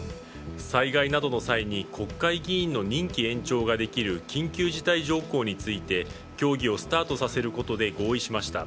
災害などの際に国会議員の任期延長ができる緊急事態条項について協議をスタートさせることで合意しました。